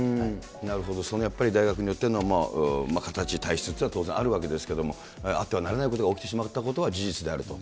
なるほど、そのやっぱり大学によっての形、体質というのは当然あるわけですけど、あってはならないことが起きてしまったことは事実であると。